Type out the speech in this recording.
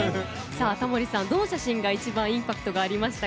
タモリさん、どの写真が一番インパクトありました？